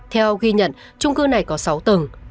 theo ghi nhận trung cư này có sáu tầng